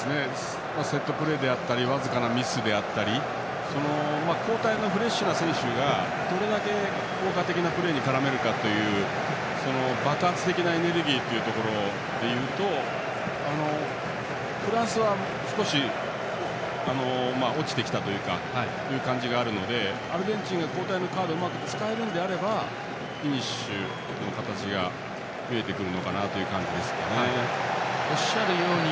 セットプレーであったり僅かなミスだったり交代のフレッシュな選手がどれだけ効果的なプレーに絡めるかという爆発的なエネルギーというところで言うとフランスは少し落ちてきたという感じがあるのでアルゼンチンが交代カードをうまく使えるのであればフィニッシュの形が増えてくる感じですかね。